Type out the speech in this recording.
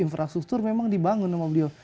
infrastruktur memang dibangun sama beliau